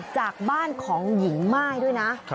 จากบ้านของหญิงม่ายด้วยนะ